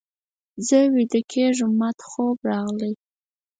زه ویده کېږم، ماته خوب راغلی.